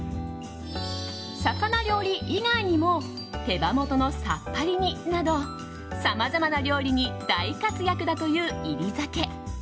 魚料理以外にも手羽元のさっぱり煮などさまざまな料理に大活躍だという煎り酒。